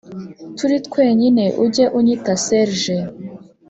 turi twenyine ujye unyita serge